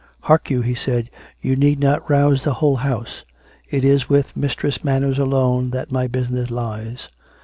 " Hark you !" he said ;" you need not rouse the whole house. It is with Mistress Manners alone that my busi ness lies."